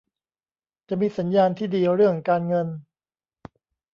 จะมีสัญญาณที่ดีเรื่องการเงิน